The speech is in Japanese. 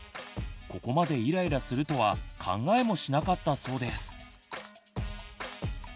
ここまでイライラするとは考えもしなかったそうです。